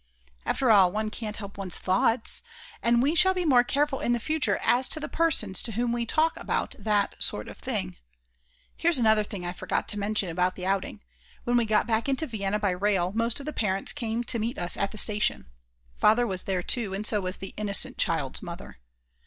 After all, one can't help one's thoughts, and we shall be more careful in future as to the persons to whom we talk about that sort of thing. Here's another thing I forgot to mention about the outing: When we got back into Vienna by rail, most of the parents came to meet us at the station; Father was there too, and so was the "innocent child's" mother.